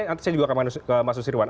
nanti saya juga akan masuk siruan